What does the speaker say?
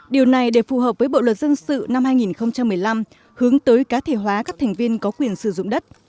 điều này để phù hợp với bộ luật dân sự năm hai nghìn một mươi năm hướng tới cá thể hóa các thành viên có quyền sử dụng đất